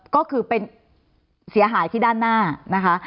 ก็คือเป็นเสียหายที่ด้านหน้านะคะ